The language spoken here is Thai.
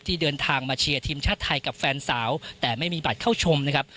เดินทางมาเชียร์ทีมชาติไทยกับแฟนสาวแต่ไม่มีบัตรเข้าชมนะครับ